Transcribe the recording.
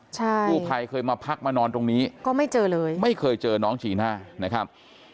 กูใครเคยมาพักมานอนตรงนี้ไม่เคยเจอน้องจีน่านะครับ